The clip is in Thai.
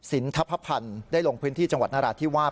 ทพพันธ์ได้ลงพื้นที่จังหวัดนราธิวาส